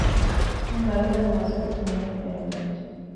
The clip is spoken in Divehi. މިމަރުކަޒަށް މަސައްކަތު މީހަކު ބޭނުންވެއްޖެ